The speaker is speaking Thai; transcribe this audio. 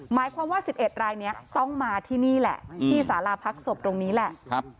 หมายความว่า๑๑รายนี้ต้องมาที่นี่แหละที่สาราพักศพตรงนี้แหละ